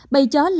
bầy chó là nguồn